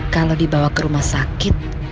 kalau dibawa ke rumah sakit